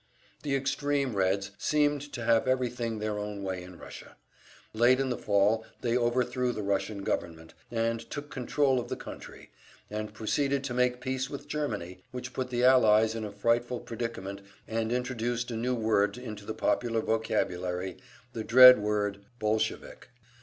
The extreme Reds seemed to have everything their own way in Russia. Late in the fall they overthrew the Russian government, and took control of the country, and proceeded to make peace with Germany; which put the Allies in a frightful predicament, and introduced a new word into the popular vocabulary, the dread word "Bolshevik."